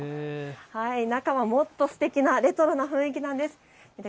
中はもっとすてきなレトロな雰囲気なんです。